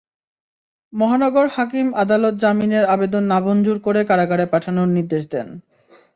মহানগর হাকিম আদালত জামিনের আবেদন নামঞ্জুর করে কারাগারে পাঠানোর নির্দেশ দেন।